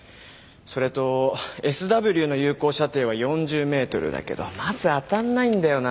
それとＳＷの有効射程は４０ｍだけどまず当たんないんだよな。